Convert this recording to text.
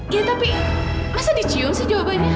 ya tapi masa dicium sih jawabannya